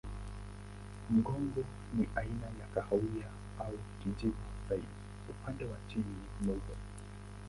Mgongo ni aina ya kahawia au kijivu zaidi, upande wa chini ni mweupe.